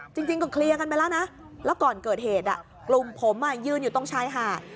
จริงก็เคลียร์กันไปแล้วนะแล้วก่อนเกิดเหตุกลุ่มผมยืนอยู่ตรงชายหาด